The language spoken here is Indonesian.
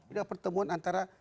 ini pertemuan antara